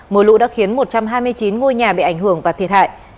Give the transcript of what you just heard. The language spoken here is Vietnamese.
mưa lũ đã khiến một trăm hai mươi chín ngôi nhà bị ảnh hưởng và thiệt hại